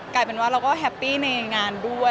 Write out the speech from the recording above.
กลายเป็นว่าเราก็แฮปปี้ในงานด้วย